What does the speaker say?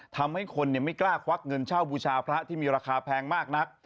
ทำให้คนไม่กล้าควักเงินเช่าบูชาวัตถุม้าการพระที่ราคาแพงมากนัก